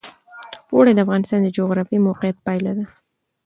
اوړي د افغانستان د جغرافیایي موقیعت پایله ده.